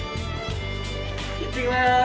いってきます！